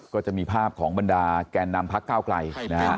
ก็จะมีภาพของบรรดาแก่นำพักเก้าไกลนะฮะ